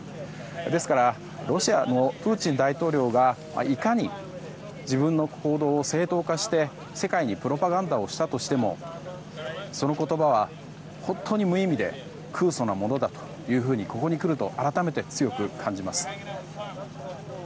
ですからロシアのプーチン大統領がいかに自分の行動を正当化して世界にプロパガンダをしたとしてもその言葉は本当に無意味で空疎なものだというふうにここに来ると改めて強く感じます。